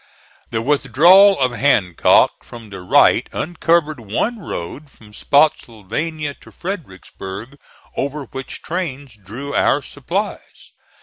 The withdrawal of Hancock from the right uncovered one road from Spottsylvania to Fredericksburg over which trains drew our supplies.